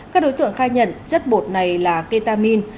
các đối tượng khai nhận chất bột này là ketamin